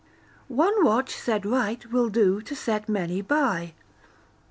[ONE WATCH SET RIGHT WILL DO TO SET MANY BY.